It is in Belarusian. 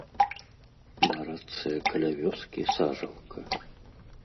На рацэ каля вёскі сажалка.